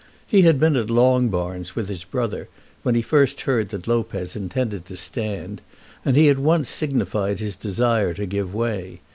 He had been at Longbarns with his brother when he first heard that Lopez intended to stand, and he at once signified his desire to give way.